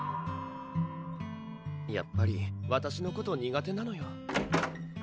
やっぱりわたしのこと苦手なのよ